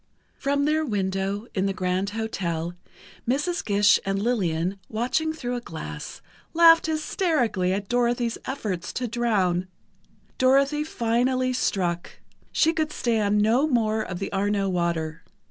From their window in the Grand Hotel, Mrs. Gish and Lillian, watching through a glass, laughed hysterically at Dorothy's efforts to drown. Dorothy finally struck: she could stand no more of the Arno water.